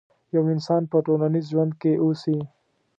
يو انسان په ټولنيز ژوند کې اوسي.